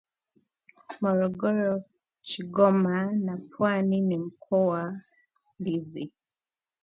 Morogoro, Kigoma, na Pwani ni mikoa inayolima ndizi